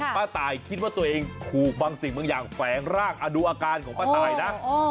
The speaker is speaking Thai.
ป้าตายคิดว่าตัวเองถูกบางสิ่งบางอย่างแฝงร่างดูอาการของป้าตายนะ